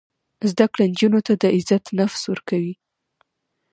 زده کړه نجونو ته د عزت نفس ورکوي.